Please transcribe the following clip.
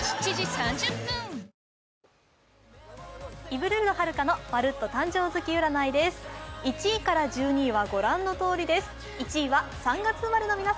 イヴルルド遙華の「まるっと！誕生月占い」です。